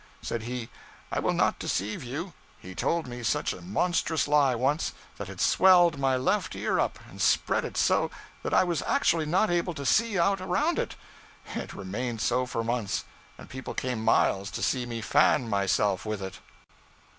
Said he, 'I will not deceive you; he told me such a monstrous lie once, that it swelled my left ear up, and spread it so that I was actually not able to see out around it; it remained so for months, and people came miles to see me fan myself with it.'